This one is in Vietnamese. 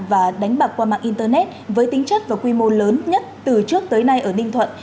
và đánh bạc qua mạng internet với tính chất và quy mô lớn nhất từ trước tới nay ở ninh thuận